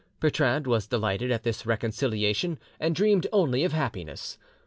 Bertrande was delighted at this reconciliation, and dreamed only of happiness.